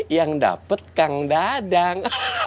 yang dapet kang dadang